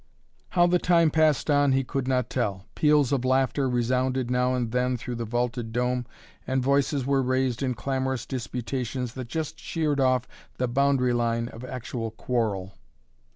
How the time passed on, he could not tell. Peals of laughter resounded now and then through the vaulted dome and voices were raised in clamorous disputations that just sheered off the boundary line of actual quarrel.